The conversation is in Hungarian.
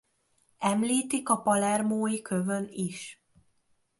Említik a palermói kövön is.